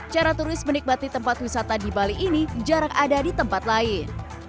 cara turis menikmati tempat wisata di bali ini jarak ada di tempat lain